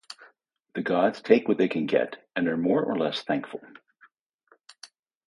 The gods take what they can get and are more or less thankful.